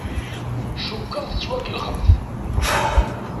Cukkeɣ tettwakellexemt.